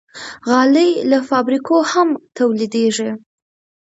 غالۍ له فابریکو هم تولیدېږي.